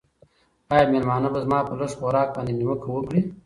آیا مېلمانه به زما په لږ خوراک باندې نیوکه وکړي؟